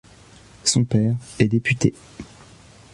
Son père est député.